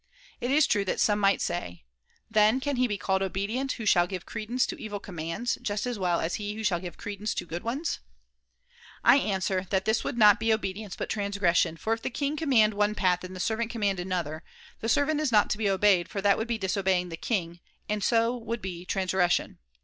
It is true that some might say :* Then, can he be called obedient who shall give credence to evil commands, just as well as he who shall give credence to good ones ?' I answer that this would not be obedience but transgression, for if the king command one path and the servant command another, the servant is not to be obeyed for that would be disobeying the king, and so would be transgression.